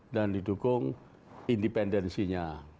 dan didukung independensinya